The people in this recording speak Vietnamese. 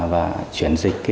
và chuyển dịch